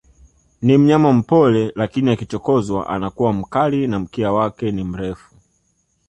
Ni mnyama mpole lakini akichokozwa anakuwa mkali na mkia wake ni mrefu